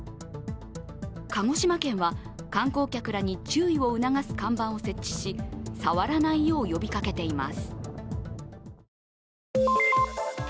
鹿児島県は、観光客らに注意を促す看板を設置し、触らないよう呼びかけています。